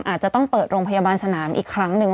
อาจจะต้องเปิดโรงพยาบาลสนามอีกครั้งหนึ่ง